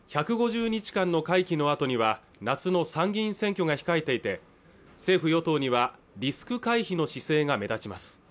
１５０日間の会期のあとには夏の参議院選挙が控えていて政府・与党にはリスク回避の姿勢が目立ちます